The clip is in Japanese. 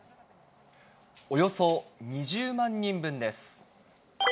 およそ２０万人分です。